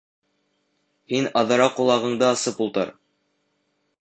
Һин аҙыраҡ ҡолағыңды асып ултыр!